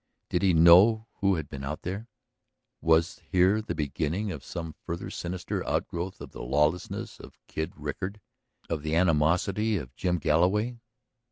Did he know who had been out there? Was here the beginning of some further sinister outgrowth of the lawlessness of Kid Rickard? of the animosity of Jim Galloway?